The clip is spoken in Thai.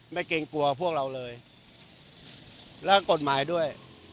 ไม่เกรงกลัวพวกเราเลยและกฎหมายด้วย